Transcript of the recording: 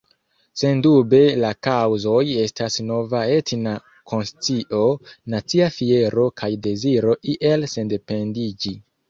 Sendube la kaŭzoj estas nova etna konscio, nacia fiero kaj deziro iel sendependiĝi.